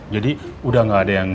jadi udah gak ada yang